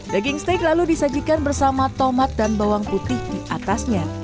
daging steak lalu disajikan bersama tomat dan bawang putih di atasnya